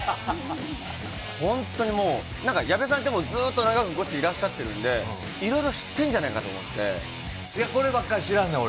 本当にもう、なんか矢部さんって、ずっとながくゴチいらっしゃってるんで、いろいろ知ってんじゃないや、こればっかりは知らんねん、俺。